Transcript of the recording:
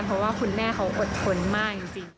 เพราะว่าคุณแม่เขาอดทนมากจริง